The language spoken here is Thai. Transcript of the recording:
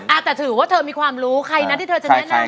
อาจจะถือว่าเธอมีความรู้ใครนะที่เธอจะแนะนำ